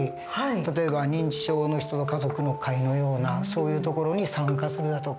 例えば認知症の人の家族の会のようなそういう所に参加するだとか。